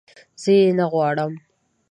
زه یې نه غواړم